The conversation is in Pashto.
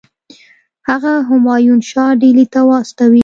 هغه همایون شاه ډهلي ته واستوي.